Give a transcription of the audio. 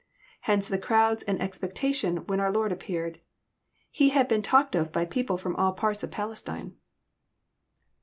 Hence the crowds and expectation when our Lord appeared. He had been talked of by people from all parts of Palestine.